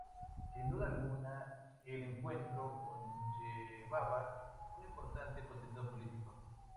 Sin duda alguna, el encuentro conllevaba un importante contenido político.